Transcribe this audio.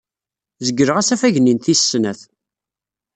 Zegleɣ asafag-nni n tis snat.